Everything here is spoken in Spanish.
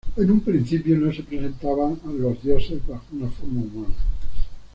En un principio no se presentaba a los dioses bajo una forma humana.